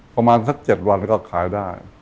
ประมาณสัก๗วันก็ขายได้